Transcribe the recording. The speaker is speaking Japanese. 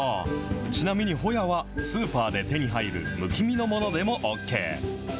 ちなみにほやは、スーパーで手に入るむき身のものでもＯＫ。